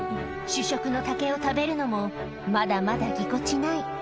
主食の竹を食べるのも、まだまだぎこちない。